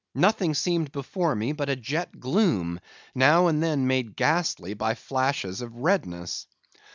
Nothing seemed before me but a jet gloom, now and then made ghastly by flashes of redness.